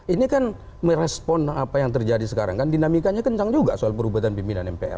ini kan merespon apa yang terjadi sekarang kan dinamikanya kencang juga soal perubatan pimpinan mpr